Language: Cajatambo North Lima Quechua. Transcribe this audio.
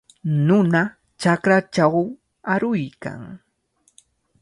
Nuna chakrachaw aruykan.